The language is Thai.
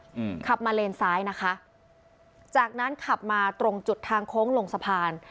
อืมขับมาเลนซ้ายนะคะจากนั้นขับมาตรงจุดทางโค้งลงสะพาน